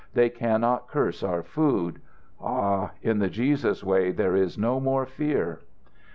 They cannot curse our food. Ah, in the Jesus way there is no more fear!"